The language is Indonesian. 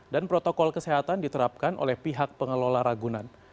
dan protokol kesehatan diterapkan oleh pihak pengelola ragunan